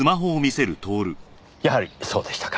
やはりそうでしたか。